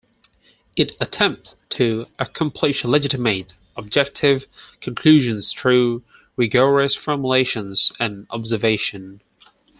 It attempts to accomplish legitimate, objective conclusions through rigorous formulations and observation.